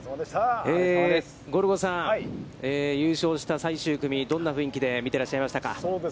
ゴルゴさん、優勝した最終組、どんな雰囲気で見ていらっしゃいましたか。